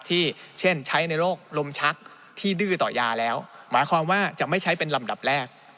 เช่นใช้ในโรคลมชักที่ดื้อต่อยาแล้วหมายความว่าจะไม่ใช้เป็นลำดับแรก